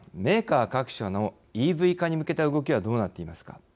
メーカー各社のＥＶ化に向けた動きはどうなっていますか。